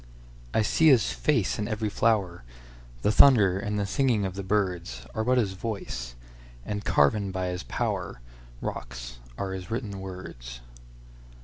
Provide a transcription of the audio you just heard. I see his face in every flower; The thunder and the singing of the birdsAre but his voice—and carven by his powerRocks are his written words.